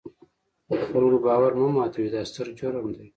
د خلکو باور مه ماتوئ، دا ستر جرم دی.